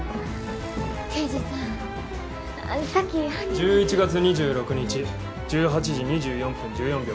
１１月２６日１８時２４分１４秒。